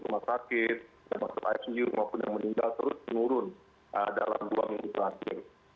jumlah pasien yang masuk rumah sakit yang masuk icu maupun yang meninggal terus menurun dalam dua minggu terakhir